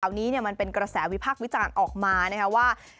เย้าวนี้มันเป็นกระแสวิภาควิจารณ์ออกมาว่า